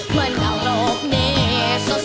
เหมือนดับโลกนี้สดสายขึ้นทันตา